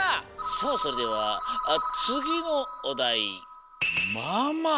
さあそれではつぎのおだい「まま」。